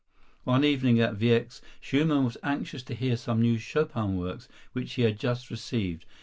One evening at Wieck's, Schumann was anxious to hear some new Chopin works which he had just received.